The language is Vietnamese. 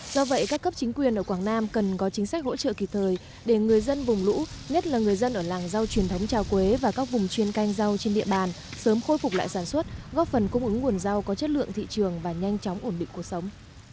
do vậy các cấp chính quyền ở quảng nam cần có chính sách hỗ trợ kịp thời để người dân vùng lũ nhất là người dân ở làng rau truyền thống trà quế và các vùng chuyên canh rau trên địa bàn sớm khôi phục lại sản xuất góp phần cung ứng nguồn rau có chất lượng thị trường và nhanh chóng ổn định cuộc sống